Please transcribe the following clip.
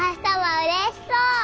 うれしそう。